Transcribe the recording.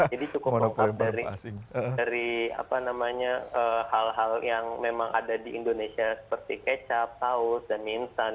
jadi cukup mengungkap dari hal hal yang memang ada di indonesia seperti kecap taus dan minsan